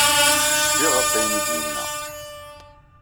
Cfiɣ ɣef wayen ay d-yenna.